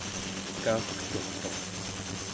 kaugturtuq